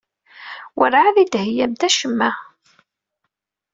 Werɛad d-theyyamt acemma.